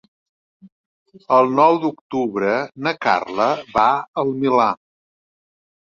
El nou d'octubre na Carla va al Milà.